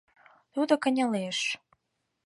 Тудо кынелеш.